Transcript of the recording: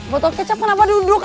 botol kecap kenapa duduk